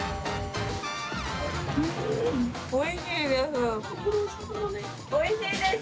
うんおいしいです。